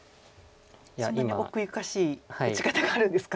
そんなに奥ゆかしい打ち方があるんですか？